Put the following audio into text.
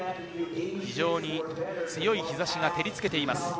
強い日差しが照りつけています。